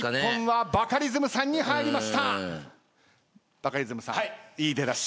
バカリズムさんいい出だし。